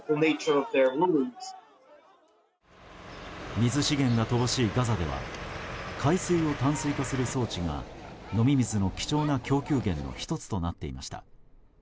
水資源が乏しいガザでは海水を淡水化する装置が飲み水の貴重な供給源の１つとなっていました。